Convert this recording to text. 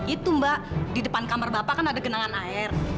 itu mbak di depan kamar bapak kan ada genangan air